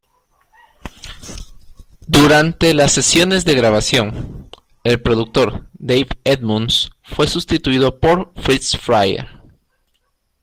Durante las sesiones de grabación, el productor Dave Edmunds fue sustituido por Fritz Fryer.